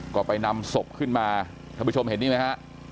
ก็ไปนำศพขึ้นมาท่านผู้ชมเห็นนี่ไหมฮะ